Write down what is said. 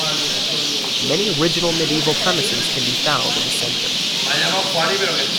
Many original medieval premises can be found in the centre.